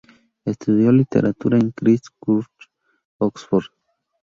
Estudió literatura en Christ Church, Oxford.